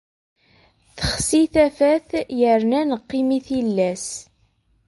Texsi tafat yerna neqqim i tillas.